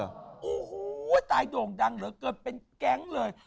โอ้โหตายโด่งดังเหลือเกินเป็นแก๊งเลย